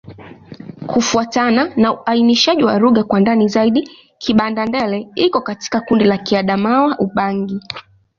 Kufuatana na uainishaji wa lugha kwa ndani zaidi, Kibanda-Ndele iko katika kundi la Kiadamawa-Ubangi.